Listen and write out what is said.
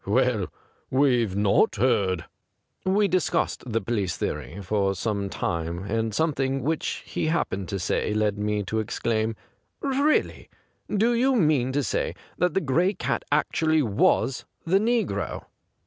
Well, we've not heard.' We discussed the police theory for some little time, and something which he happened to say led me to exclaim :' Really ! Do you mean to say that the Gray Cat actually was the negro